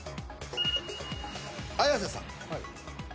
綾瀬さん。